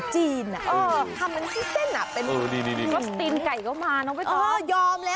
เฮ้ย